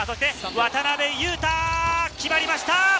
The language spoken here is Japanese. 渡邊雄太、決めました！